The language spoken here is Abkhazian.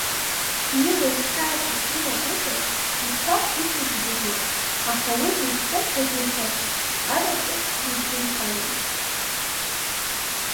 Ииуз хьаас ишимагәышьаз, иԥсахгәышьеит идунеи, аха уи дызхьымӡагәышьаз араҿысқәа ирзымҳауеи!